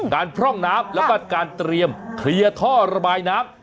พร่องน้ำแล้วก็การเตรียมเคลียร์ท่อระบายน้ำ